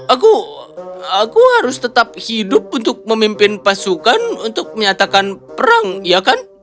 aku aku harus tetap hidup untuk memimpin pasukan untuk menyatakan perang ya kan